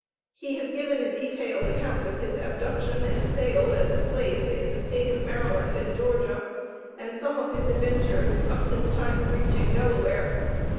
He has given a detailed account of his abduction and sale as a slave in the State of Maryland and Georgia, and some of his adventures up to the time of reaching Delaware.